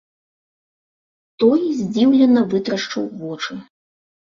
Той здзіўлена вытрашчыў вочы.